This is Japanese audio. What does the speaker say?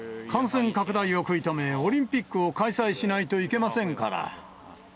感染拡大を食い止め、オリンピックを開催しないといけませんから。